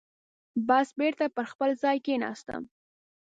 بس بېرته پر خپل ځای کېناستم.